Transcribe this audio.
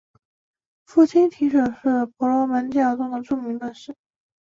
父亲提舍是婆罗门教中著名论师。